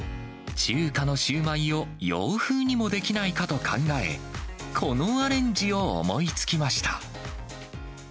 中華のシューマイを洋風にもできないかと考え、このアレンジを思いつきました。